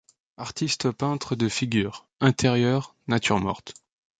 Artiste peintre de figures, intérieurs, natures mortes.